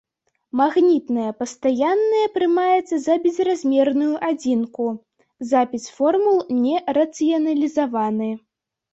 Магнітная пастаянная прымаецца за безразмерную адзінку, запіс формул не рацыяналізаваны.